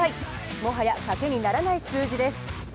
もはや賭けにならない数字です。